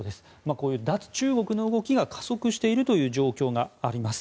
こういう脱中国の動きが加速している状況があります。